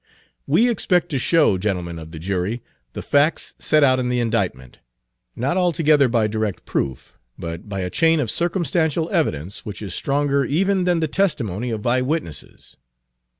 "We expect to show, gentlemen of the jury, the facts set out in the indictment, not altogether by direct proof, but by a chain of circumstantial evidence which is stronger even than the testimony of eyewitnesses.